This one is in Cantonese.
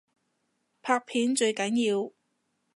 拍片最緊要